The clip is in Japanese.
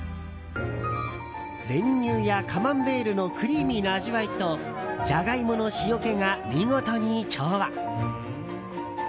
練乳やカマンベールのクリーミーな味わいとジャガイモの塩気が見事に調和！